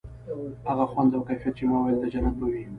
هغه خوند او کيف چې ما ويل د جنت به وي.